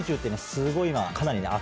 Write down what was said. すごい今かなり。